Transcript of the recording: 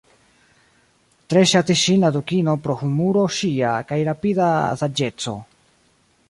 Tre ŝatis ŝin la dukino pro humuro ŝia kaj rapida saĝeco.